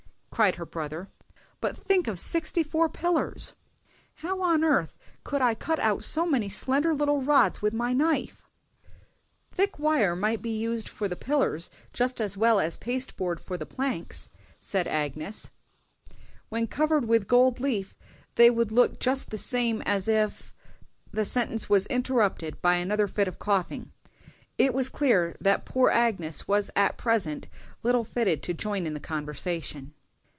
cried her brother; "but think of sixty four pillars! How on earth could I cut out so many slender little rods with my knife!" "Thick wire might be used for the pillars just as well as pasteboard for the planks," said Agnes; "when covered with gold leaf they would look just the same as if"— The sentence was interrupted by another fit of coughing; it was clear that poor Agnes was at present little fitted to join in the conversation.